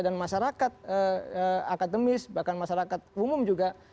dan masyarakat akademis bahkan masyarakat umum juga